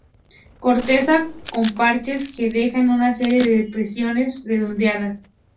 Corteza con parches que dejan una serie de depresiones redondeadas.